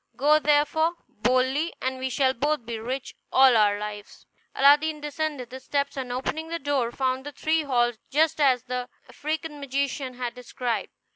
Go, therefore, boldly, and we shall both be rich all our lives." Aladdin descended the steps, and, opening the door, found the three halls just as the African magician had described.